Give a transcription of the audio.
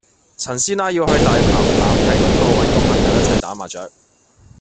陳師奶要去大棠欖堤東路搵個朋友一齊打麻雀